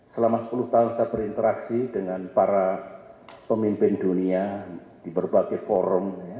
selama sepuluh tahun saya berinteraksi dengan para pemimpin dunia di berbagai forum